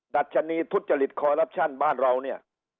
ดัชนีทุจริตคอรัปชั่นบ้านเราเนี่ย